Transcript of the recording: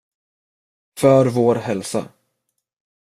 För vår hälsa!